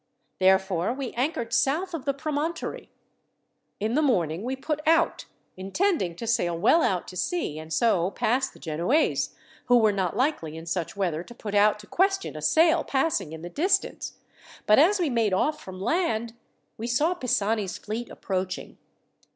Therefore we anchored south of the promontory. In the morning we put out, intending to sail well out to sea and so pass the Genoese, who were not likely, in such weather, to put out to question a sail passing in the distance; but as we made off from land we saw Pisani's fleet approaching.